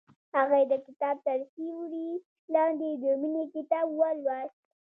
هغې د کتاب تر سیوري لاندې د مینې کتاب ولوست.